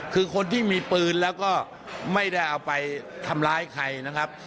คือคนที่มีปืนแล้วก็ไม่ได้เอาไปทำร้ายใครนะครับ